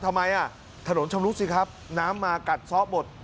ทำไมถนนชำรุดสิครับน้ำมากัดซ้อหมด